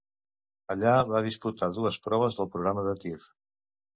Allà va disputar dues proves del programa de tir.